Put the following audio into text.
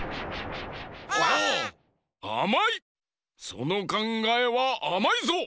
そのかんがえはあまいぞ！